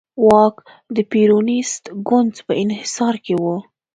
واک د پېرونېست ګوند په انحصار کې و.